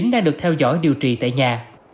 đang được theo dõi điều trị tại nhà